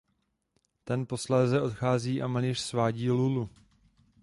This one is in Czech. Ten posléze odchází a malíř svádí Lulu.